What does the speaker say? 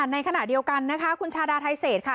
ในขณะเดียวกันนะคะคุณชาดาไทเศษค่ะ